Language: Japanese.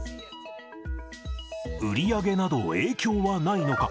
売り上げなど、影響はないのか。